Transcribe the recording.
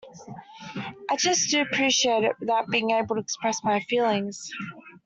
I just do appreciate it without being able to express my feelings.